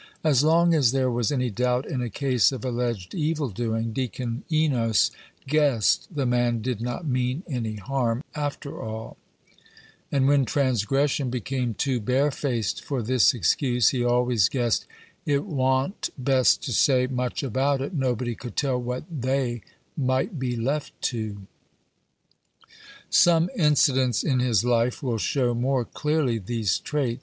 As long as there was any doubt in a case of alleged evil doing, Deacon Enos guessed "the man did not mean any harm, after all;" and when transgression became too barefaced for this excuse, he always guessed "it wa'n't best to say much about it; nobody could tell what they might be left to." Some incidents in his life will show more clearly these traits.